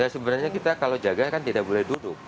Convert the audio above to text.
sebenarnya kita kalau jaga kan tidak boleh duduk